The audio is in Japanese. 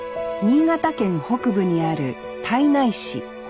新潟県北部にある胎内市。